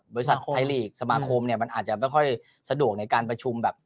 บริษัทไทยลีกสมาคมเนี่ยมันอาจจะไม่ค่อยสะดวกในการประชุมแบบ